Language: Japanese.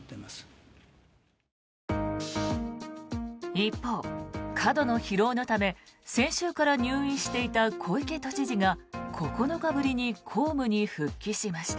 一方、過度の疲労のため先週から入院していた小池都知事が９日ぶりに公務に復帰しました。